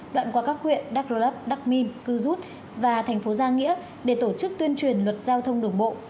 đoạn qua các huyện đắp lập đắp minh cư rút và thành phố giang nghĩa để tổ chức tuyên truyền luật giao thông đồng bộ